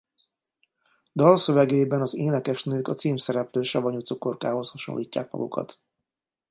Dalszövegében az énekesnők a címszereplő savanyú cukorkához hasonlítják magukat.